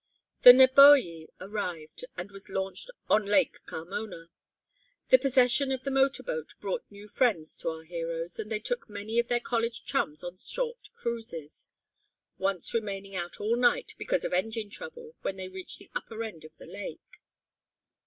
The Neboje arrived and was launched on Lake Carmona. The possession of the motor boat brought new friends to our heroes, and they took many of their college chums on short cruises, once remaining out all night because of engine trouble when they reached the upper end of the lake.